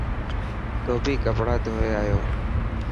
ڌوٻي ڪپڙا ڌوئي آيو.